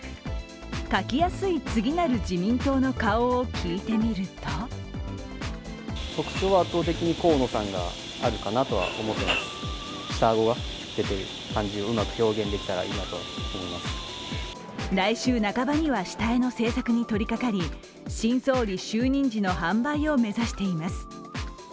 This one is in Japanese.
描きやすい次なる自民党の顔を聞いてみると来週半ばには下絵の製作に取りかかり新総理就任時の販売を目指しています。